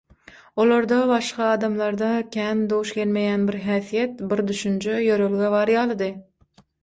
Olarda başga adamlarda kän duş gelmeýän bir häsiýet, bir düşünje, ýörelge bar ýalydy.